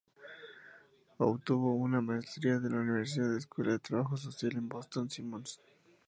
Obtuvo una Maestría de la Universidad Escuela de Trabajo Social en Boston Simmons.